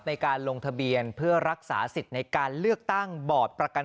ในการลงทะเบียนเพื่อรักษาสิทธิ์ในการเลือกตั้งบอร์ดประกัน